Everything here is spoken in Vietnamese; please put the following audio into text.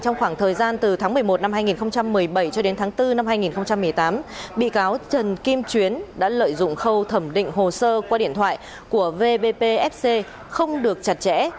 năm hai nghìn một mươi tám bị cáo trần kim chuyến đã lợi dụng khâu thẩm định hồ sơ qua điện thoại của vbpfc không được chặt chẽ